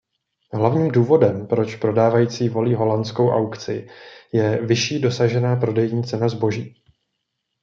Hlavním důvodem proč prodávající volí holandskou aukci je vyšší dosažená prodejní cena zboží.